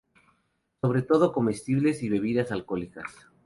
Sobre todo comestibles y bebidas alcohólicas.